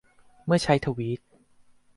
เมื่อใช้ทวีต